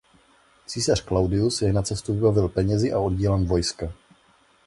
Císař Claudius jej na cestu vybavil penězi a oddílem vojska.